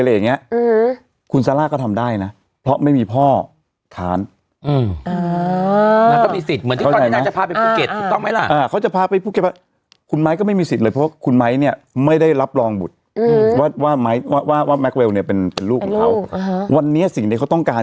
อย่างเงี้ยคุณซาร่าก็ทำได้นะเพราะไม่มีพ่อท้านอืมอ๋อมันก็มีสิทธิ์เหมือนที่ตอนนี้น่าจะพาไปภูเก็ตถูกต้องไหมล่ะอ่าเขาจะพาไปภูเก็ตคุณไม้ก็ไม่มีสิทธิ์เลยเพราะว่าคุณไม้เนี้ยไม่ได้รับรองบุตรอืมว่าว่าไม้ว่าว่าแมคเวลเนี้ยเป็นเป็นลูกของเขา